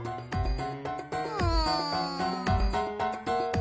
うん。